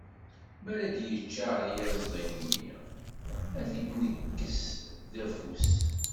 Mi ara yeččar yiẓdi-nni, ad t-id-nekkes d afus.